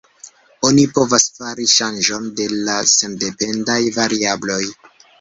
Oni povas fari ŝanĝon de la sendependaj variabloj.